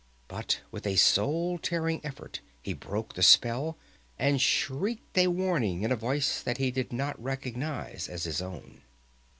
But with a soul tearing effort he broke the spell, and shrieked a warning in a voice he did not recognize as his own.